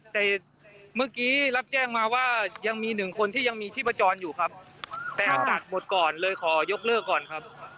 แต่เมื่อกี้รับแจ้งมาว่ายังมีหนึ่งคนที่ยังมีชีพจรอยู่ครับแต่อากาศหมดก่อนเลยขอยกเลิกก่อนครับ